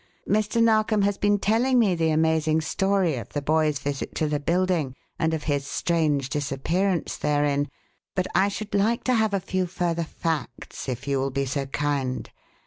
Mr. Narkom has been telling me the amazing story of the boy's visit to the building and of his strange disappearance therein, but I should like to have a few further facts, if you will be so kind.